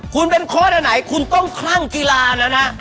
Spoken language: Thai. คุณเป็นโค้ดอันไหนคุณต้องคลั่งกีฬาแล้วนะ